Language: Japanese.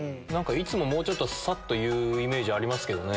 いつもさっと言うイメージありますけどね。